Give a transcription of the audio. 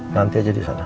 nanti aja disana ya